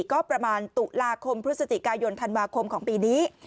ก็ประมาณตุลาคมพฤศจิกายนธันวาคมของปีนี้